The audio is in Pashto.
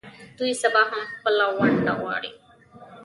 دوی سبا هم خپله ونډه غواړي.